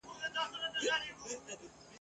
لا د دام هنر یې نه وو أزمېیلی ..